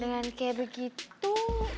dengan kayak begitu